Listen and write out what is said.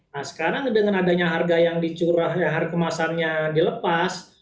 nah sekarang dengan adanya harga yang dicurah harga kemasannya dilepas